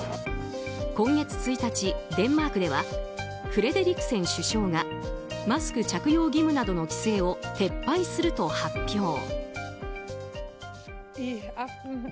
今月１日、デンマークではフレデリクセン首相がマスク着用義務などの規制を撤廃すると発表。